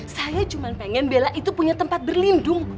saya cuma pengen bela itu punya tempat berlindung